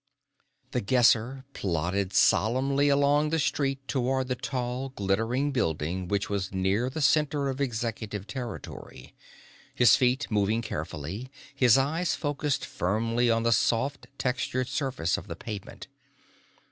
The Guesser plodded solemnly along the street toward the tall, glittering building which was near the center of Executive territory, his feet moving carefully, his eyes focused firmly on the soft, textured surface of the pavement.